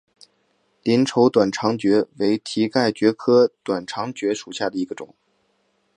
鳞轴短肠蕨为蹄盖蕨科短肠蕨属下的一个种。